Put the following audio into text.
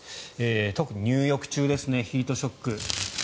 特に入浴中ですねヒートショック。